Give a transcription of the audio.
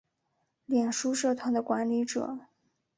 脸书社团的管理者